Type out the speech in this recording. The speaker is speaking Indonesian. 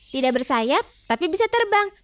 tidak bersayap tapi bisa terbang